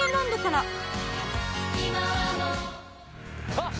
あっ。